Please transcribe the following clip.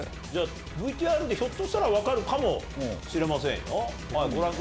ＶＴＲでひょっとしたら分かるかもしれませんよ。